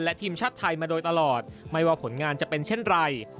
และทีมชาติไทยมาโดยตลอดไม่ว่าผลงานจะเป็นเช่นไร